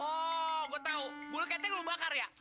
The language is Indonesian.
oh gua tau bulu ketrek lu bakar ya